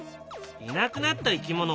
いなくなった生き物